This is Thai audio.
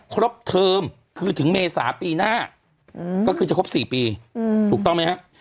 ครบเทอมคือถึงเมษาปีหน้าก็คือจะครบ๔ปีถูกต้องไหมฮะ